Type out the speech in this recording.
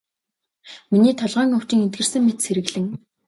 Миний толгойн өвчин эдгэрсэн мэт сэргэлэн.